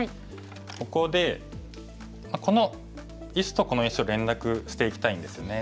ここでこの石とこの石を連絡していきたいんですよね。